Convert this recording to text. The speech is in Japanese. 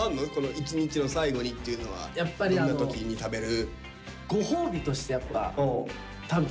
一日の最後にっていうのはどんな時に食べる。